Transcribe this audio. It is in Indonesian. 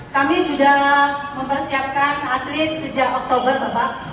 kami sudah mempersiapkan atlet sejak oktober bapak